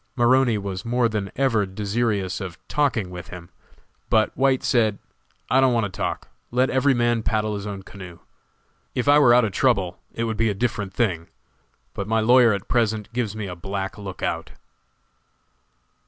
Maroney was more than ever desirous of talking with him, but White said: "I don't want to talk; let every man paddle his own canoe. If I were out of trouble, it would be a different thing, but my lawyer at present gives me a black lookout."